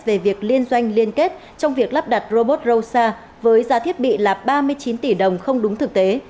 về việc liên doanh liên kết trong việc lắp đặt robot rosa với giá thiết bị là ba mươi chín tỷ đồng không đúng thực tế